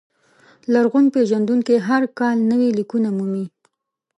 لرغون پېژندونکي هر کال نوي لیکونه مومي.